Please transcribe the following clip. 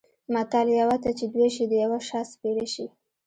متل: یوه ته چې دوه شي د یوه شا سپېره شي.